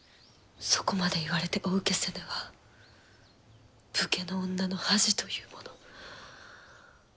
そこまで言われてお受けせぬは武家の女の恥というもの。